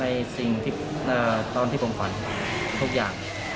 ในสิ่งเวลาตอนที่ผมฝัน